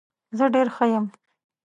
زه ډیر ښه یم.